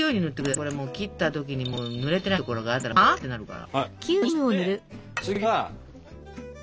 これもう切った時にぬれてないところがあったらもう「はあ？」ってなるから。